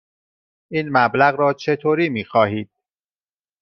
این مبلغ را چطوری می خواهید؟